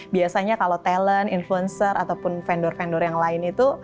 biasanya kalau talent influencer ataupun vendor vendor yang lain itu